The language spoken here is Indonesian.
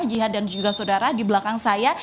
jihad dan juga saudara di belakang saya